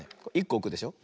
１こおくでしょ。